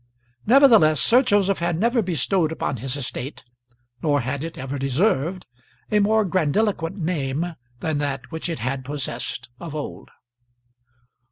Nevertheless, Sir Joseph had never bestowed upon his estate, nor had it ever deserved, a more grandiloquent name than that which it had possessed of old.